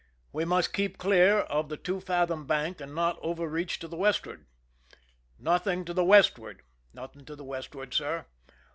We must keep clear of the two fathom bank and not over reach to the westward. " Nothing to the westward I "" Nothing to the westward, sir."